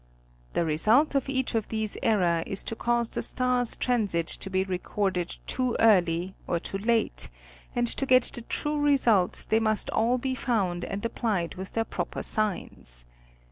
The result of each of these errors is to 14. National Geographic Magazine. cause the star's transit to be recorded too early or too late, and to get the true result they must all be found and applied with their proper signs.